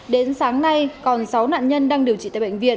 đến sáng nay còn sáu nạn nhân đang điều trị tại bệnh viện